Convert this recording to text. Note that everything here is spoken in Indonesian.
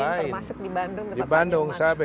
termasuk di bandung tempat bandung